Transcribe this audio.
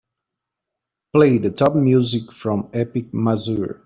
Play the top music from Epic Mazur.